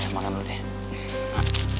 makan dulu deh